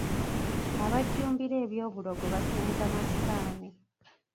Abajjumbira eby'obulogo basinza masitaani.